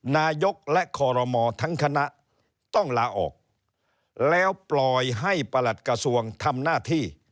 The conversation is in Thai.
นายกและคอรมอทั้งคณะต้องลาออกแล้วปล่อยให้ประหลัดกระทรวงทำหน้าที่